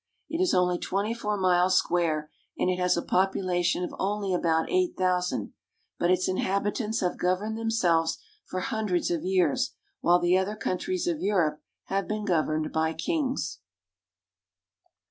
It is only twenty four miles square, and it has a popula tion of only about eight thousand ; but its inhabitants have governed themselves for hundreds of years, while the other countries of Europe have been governed by kings.